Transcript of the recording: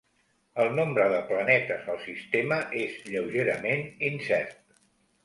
El nombre de planetes al sistema és lleugerament incert.